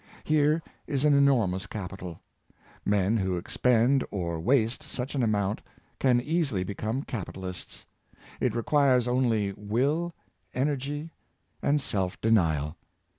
Here is an enormous capital. Men who expend or waste such an amount can easily become capitalists. It requires only will, energy, and self denial.